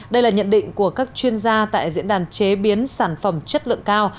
đây là nhận định của các chuyên gia tại diễn đàn chế biến sản phẩm chất lượng cao